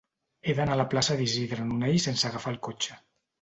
He d'anar a la plaça d'Isidre Nonell sense agafar el cotxe.